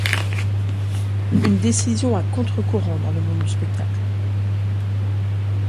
Une décision à contre-courant dans le monde du spectacle.